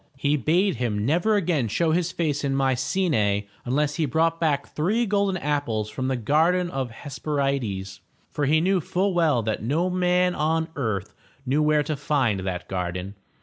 He bade him never again show his face in Mycenae unless he brought back three golden apples from the Garden of the Hes per'i des, for he knew full well that no man on earth knew where to find that garden.